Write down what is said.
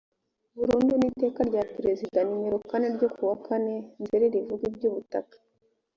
burundu n iteka rya perezida nimrero kane ryo ku wa kane nzeri rivuga ibyubutaka